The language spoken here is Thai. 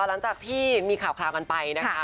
หลังจากที่มีข่าวกันไปนะคะ